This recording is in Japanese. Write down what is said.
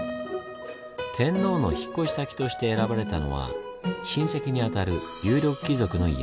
天皇の引っ越し先として選ばれたのは親戚に当たる有力貴族の家。